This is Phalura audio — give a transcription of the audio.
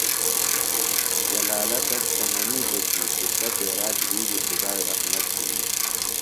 جلالہ تس تھےۡ منِیتوۡ کی پُترہ پیرا دھی بیۡ خدائی رحمت ہِنیۡ۔